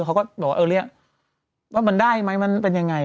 เขาก็บอกว่ามันได้มั้ยเป็นยังไง